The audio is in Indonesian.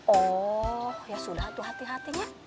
oh ya sudah tuh hati hatinya